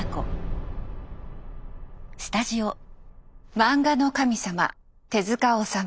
漫画の神様手治虫。